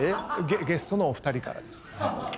ゲストのお二人からです。